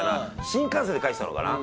新幹線で書いてたのかな